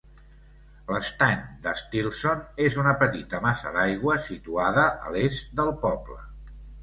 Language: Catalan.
L'estany d'Stilson és una petita massa d'aigua situada a l'est del poble.